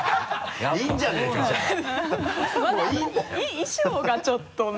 衣装がちょっとね。